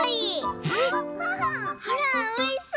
ほらおいしそう！